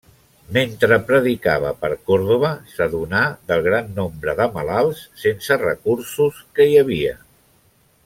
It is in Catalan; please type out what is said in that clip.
Mentre predicava per Còrdova, s'adonà del gran nombre de malalts sense recursos que hi havia.